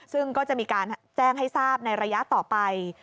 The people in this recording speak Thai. ซึ่งก็จะมีการแจ้งให้ทราบในระยะต่อไป